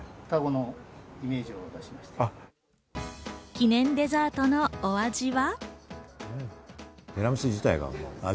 記念デザートのお味は。